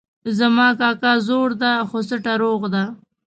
زما کاکا زوړ ده خو سټه روغ ده